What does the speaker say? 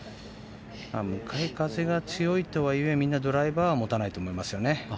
向かい風が強いとはいえみんな、ドライバーは持たないと思いますね。